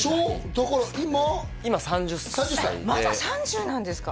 だから今３０歳まだ３０なんですか？